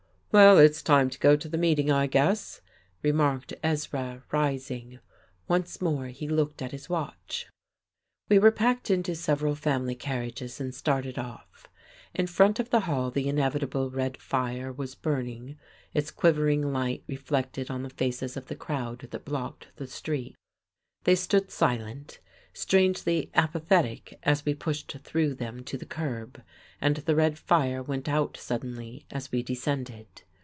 "Well, it's time to go to the meeting, I guess," remarked Ezra, rising. Once more he looked at his watch. We were packed into several family carriages and started off. In front of the hall the inevitable red fire was burning, its quivering light reflected on the faces of the crowd that blocked the street. They stood silent, strangely apathetic as we pushed through them to the curb, and the red fire went out suddenly as we descended.